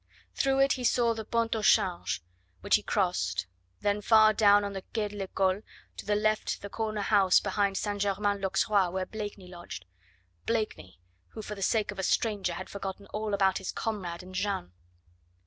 Through it he saw the Pont au Change, which he crossed, then far down on the Quai de l'Ecole to the left the corner house behind St. Germain l'Auxerrois, where Blakeney lodged Blakeney, who for the sake of a stranger had forgotten all about his comrade and Jeanne.